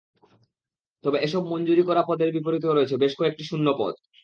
তবে এসব মঞ্জুরি করা পদের বিপরীতেও রয়েছে বেশ কয়েকটি শূন্য পদ।